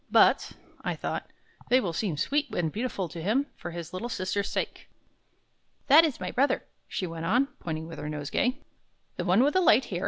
"But," I thought, "they will seem sweet and beautiful to him, for his little sister's sake." "That is my brother," she went on, pointing with her nosegay. "The one with the light hair?"